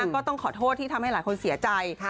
ก็ต้องขอโทษที่ทำให้หลายคนเสียใจ